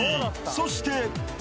［そして］